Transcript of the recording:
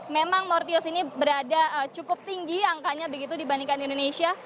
memang mortius ini berada cukup tinggi angkanya begitu dibandingkan di indonesia